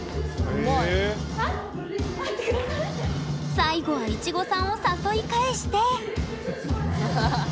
最後はいちごさんを誘い返してハハハ！